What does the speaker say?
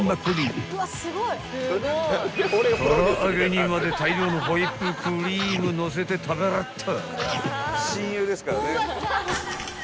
［唐揚げにまで大量のホイップクリームのせて食べらった］